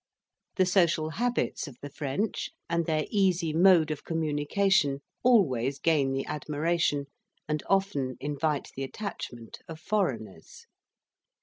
The social habits of the French, and their easy mode of communication, always gain the admiration, and often invite the attachment of foreigners.